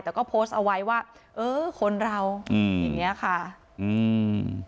แต่ก็โพสต์เอาไว้ว่าเออคนเราอืมอย่างเงี้ยค่ะอืม